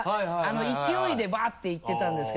勢いでバッていってたんですけど。